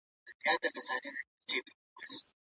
ذهن باید د کار په ځای کې ارام وي.